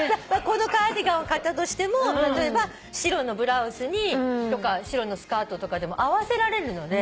このカーディガンを買ったとしても例えば白のブラウスにとか白のスカートとかでも合わせられるので。